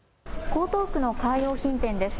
江東区のカー用品店です。